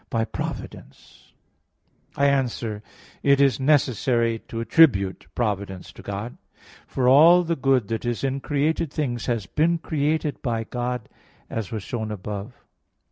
But 'Thy providence, O Father, governeth it.']." I answer that, It is necessary to attribute providence to God. For all the good that is in created things has been created by God, as was shown above (Q.